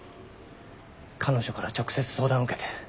彼女から直接相談を受けて。